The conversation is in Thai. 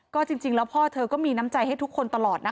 ก็จริงแล้วพ่อเธอก็มีน้ำใจให้ทุกคนตลอดนะคะ